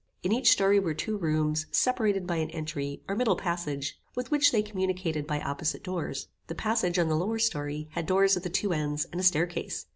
In each story were two rooms, separated by an entry, or middle passage, with which they communicated by opposite doors. The passage, on the lower story, had doors at the two ends, and a stair case.